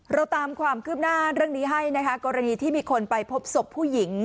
เราตามความคืบหน้าเรื่องนี้ให้นะคะกรณีที่มีคนไปพบศพผู้หญิง